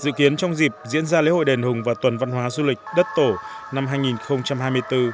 dự kiến trong dịp diễn ra lễ hội đền hùng và tuần văn hóa du lịch đất tổ năm hai nghìn hai mươi bốn